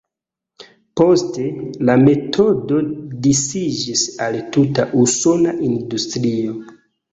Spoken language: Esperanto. Poste, la metodo disiĝis al tuta usona industrio.